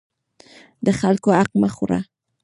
د خلکو حق مه خوره.